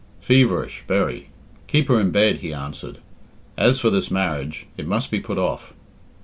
"Feverish, very; keep her in bed," he answered. "As for this marriage, it must be put off.